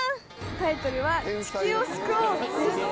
タイトルは『地球を救おう』です。